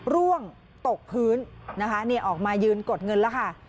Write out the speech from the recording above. ร่วงตกพื้นนะคะออกมายืนกดเงินแล้วค่ะ